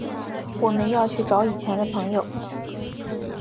我们要去找以前的朋友